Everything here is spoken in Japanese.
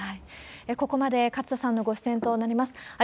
ここまで勝田さんのご出演となります。